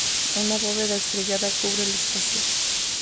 Una bóveda estrellada cubre el espacio.